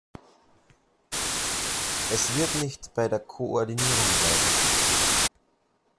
Es wird nicht bei der Koordinierung bleiben.